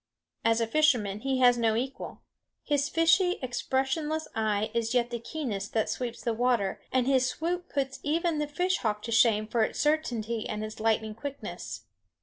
As a fisherman he has no equal. His fishy, expressionless eye is yet the keenest that sweeps the water, and his swoop puts even the fish hawk to shame for its certainty and its lightning quickness.